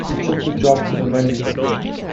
He took the job for the money.